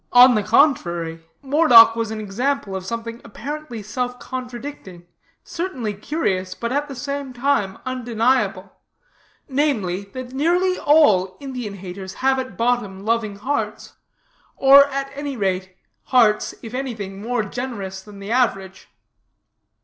On the contrary, Moredock was an example of something apparently self contradicting, certainly curious, but, at the same time, undeniable: namely, that nearly all Indian haters have at bottom loving hearts; at any rate, hearts, if anything, more generous than the average.